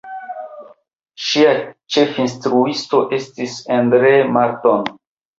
Ŝia ĉefinstruisto estis Endre Marton.